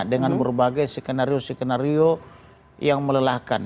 dengan berbagai skenario skenario yang melelahkan